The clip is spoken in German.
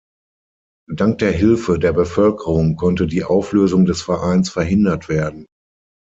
Dank der Hilfe der Bevölkerung konnte die Auflösung des Vereins verhindert werden.